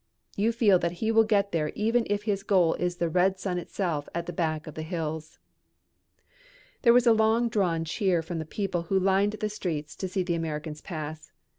You feel that he will get there even if his goal is the red sun itself at the back of the hills. There was no long drawn cheer from the people who lined the streets to see the Americans pass.